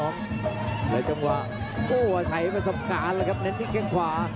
อะไรจะบอกโอ้โหไทยไปสำคาญละครับแนนทีข้างขวา